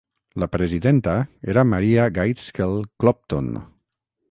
La presidenta era Maria Gaitskell Clopton.